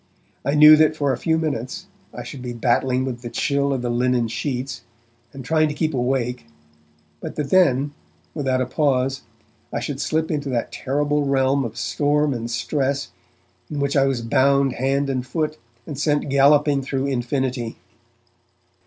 I knew that for a few minutes I should be battling with the chill of the linen sheets, and trying to keep awake, but that then, without a pause, I should slip into that terrible realm of storm and stress in which I was bound hand and foot, and sent galloping through infinity.